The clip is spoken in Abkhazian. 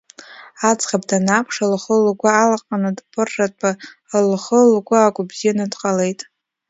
Аӡӷаб данааԥш, лхы-лгәы алаҟаны, дԥырратәы лхы-лгәы ақәыбзианы дҟалеит.